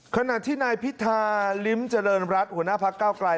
ขณะที่นายพิธาลิมจริงรัฐหัวหน้าภาคก้าวไกร